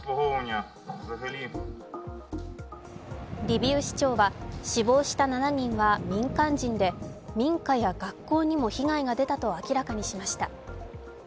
リビウ市長は、死亡した７人は民間人で民家や学校にも被害が出たと明らかにしました。